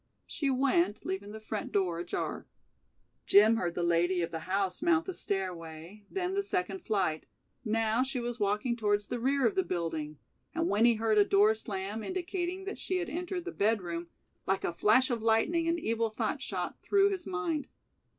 She went, leaving the front door ajar. Jim heard the lady of the house mount the stairway, then the second flight, now she was walking towards the rear of the building, and when he heard a door slam, indicating that she had entered the bed room, like a flash of lightning an evil thought shot through his mind.